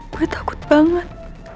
gue takut banget